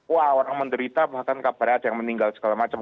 wah orang menderita bahkan kabarnya ada yang meninggal segala macam